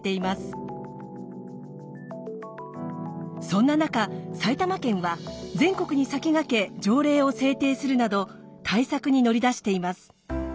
そんな中埼玉県は全国に先駆け条例を制定するなど対策に乗り出しています。